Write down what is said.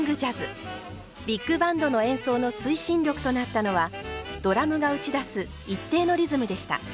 ビッグバンドの演奏の推進力となったのはドラムが打ち出す一定のリズムでした。